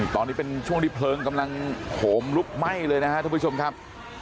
ตอนนี้เป็นช่วงที่เพลิงกำลังโหมลุกไหม้เลยนะครับทุกผู้ชมครับ